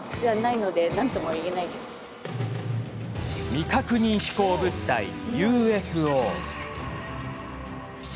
未確認飛行物体、ＵＦＯ。